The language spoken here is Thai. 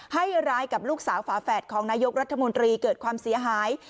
ให้ร้ายกับลูกสาวฝาแฝดของนายกรัฐมนตรีเกิดความเสียหาย